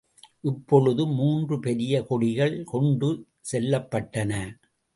இப்பொழுது மூன்று பெரிய கொடிகள் கொண்டு செல்லப்பட்டன.